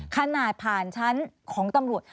ขนาดผ่านชั้นของตำรวจ